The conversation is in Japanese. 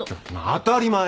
当たり前。